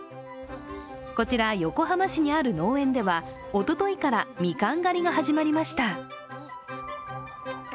こちら、横浜市にある農園では、おとといからみかん狩りが始まりました。